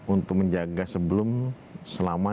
untuk menjaga sebelum selama